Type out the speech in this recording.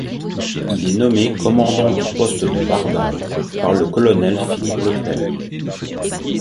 Il est nommé commandant du Poste de Bardaï par le colonel Philippe Leclerc.